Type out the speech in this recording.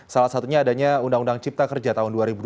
salah satunya adanya undang undang cipta kerja tahun dua ribu dua puluh